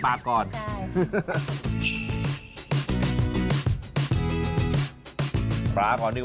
ที่เราบอกว่ามีหลายอย่างไม่ได้มีแต่กะปิอย่างเดียว